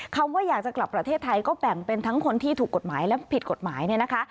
คำว่าอยากจะกลับประเทศไทยก็แบ่งเป็นทั้งคนที่ถูกกฎหมายและผิดกฎหมายเนี่ยนะคะ